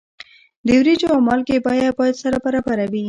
د وریجو او مالګې بیه باید سره برابره وي.